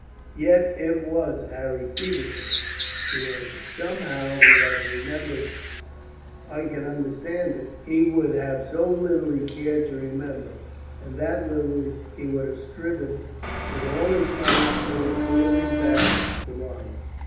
"Yet it was Harry Feversham," he answered. "Somehow he had remembered. I can understand it. He would have so little he cared to remember, and that little he would have striven with all his might to bring clearly back to mind.